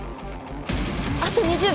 あと２０秒。